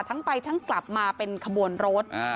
ทั้งไปทั้งกลับมาเป็นขบวนรถ